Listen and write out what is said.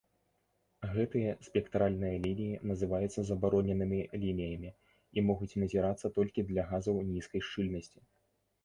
Гэтыя спектральныя лініі называюцца забароненымі лініямі і могуць назірацца толькі для газаў нізкай шчыльнасці.